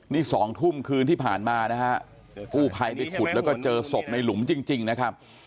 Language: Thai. นี่๒ทุ่มคืนที่ผ่านมานะฮะกู้ภัยไปขุดแล้วก็เจอศพในหลุมจริงนะครับ